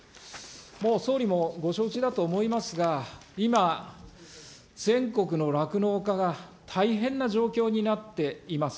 もう総理もご承知だと思いますが、今、全国の酪農家が大変な状況になっています。